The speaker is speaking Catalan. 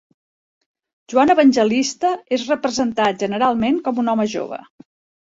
Joan Evangelista és representat generalment com un home jove.